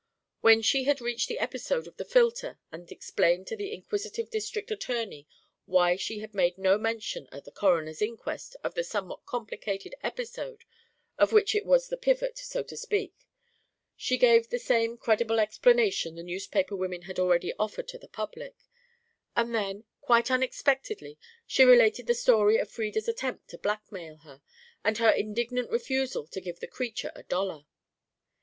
When she had reached the episode of the filter and had explained to the inquisitive district attorney why she had made no mention at the coroner's inquest of the somewhat complicated episode of which it was the pivot, so to speak, she gave the same credible explanation the newspaper women had already offered to the public; and then, quite unexpectedly, she related the story of Frieda's attempt to blackmail her, and her indignant refusal to give the creature a dollar.